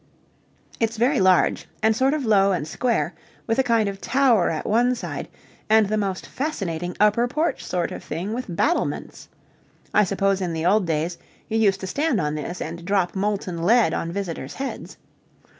It's very large, and sort of low and square, with a kind of tower at one side and the most fascinating upper porch sort of thing with battlements. I suppose in the old days you used to stand on this and drop molten lead on visitors' heads.